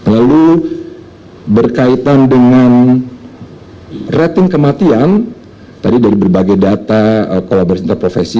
lalu berkaitan dengan rating kematian tadi dari berbagai data kolaborasi interprofesi